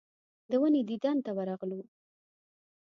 د ونې دیدن ته ورغلو.